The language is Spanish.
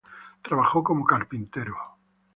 Trabajó como carpintero.